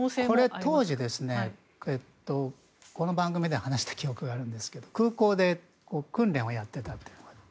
当時、この番組で話した記憶があるんですけど空港で訓練をやっていたと。